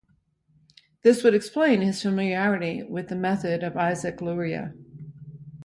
This would explain his familiarity with the method of Isaac Luria.